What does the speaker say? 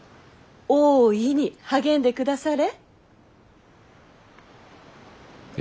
大いに励んでくだされ。